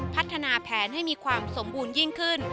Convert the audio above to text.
พัฒนาแผนให้มีความสมบูรณ์ยิ่งขึ้น